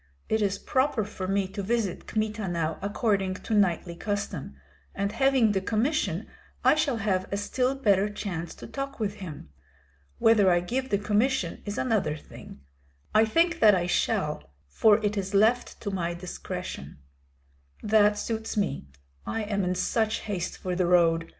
It is proper for me to visit Kmita now according to knightly custom, and having the commission I shall have a still better chance to talk with him. Whether I give the commission is another thing; I think that I shall, for it is left to my discretion." "That suits me; I am in such haste for the road.